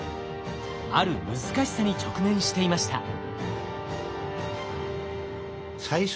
ある難しさに直面していました。